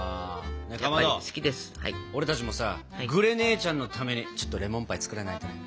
かまど俺たちもさグレ姉ちゃんのためにちょっとレモンパイ作らないとね。